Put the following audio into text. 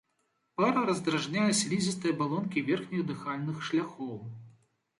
Пара раздражняе слізістыя абалонкі верхніх дыхальных шляхоў.